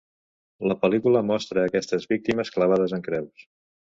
La pel·lícula mostra aquestes víctimes clavades en creus.